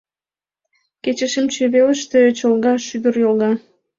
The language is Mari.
Кече шичме велыште Чолга шӱдыр йолга.